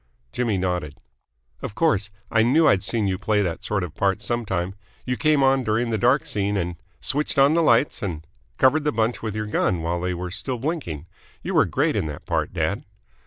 Jimmy nodded. "Of course. I knew I'd seen you play that sort of part some time. You came on during the dark scene and "" switched on the lights and "" covered the bunch with your gun while they were still blinking! You were great in that part, dad."